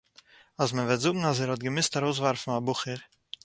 אז מען וועט זאגן אז ער האט געמוזט ארויסווארפן א בחור